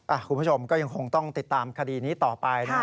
คุณผู้ชมก็ยังคงต้องติดตามคดีนี้ต่อไปนะ